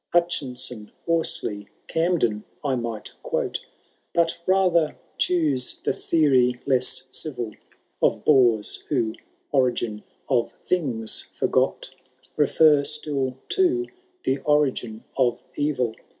Hutchinson, Horsley, Camden, I might quote. But rather choose the theory less civil Of boors, who, origin of things foigot, Refer still to the origin of eril.